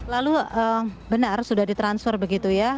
lalu benar sudah di transfer begitu ya